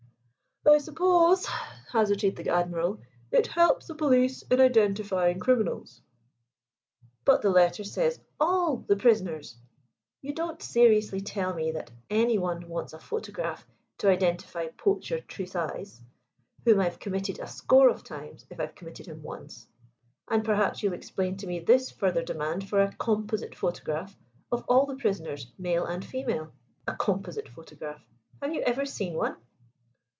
"I suppose," hazarded the Admiral, "it helps the police in identifying criminals." "But the letter says 'all the prisoners.' You don't seriously tell me that anyone wants a photograph to identify Poacher Tresize, whom I've committed a score of times if I've committed him once? And perhaps you'll explain to me this further demand for a 'Composite Photograph' of all the prisoners, male and female. A 'Composite Photograph!' have you ever seen one?"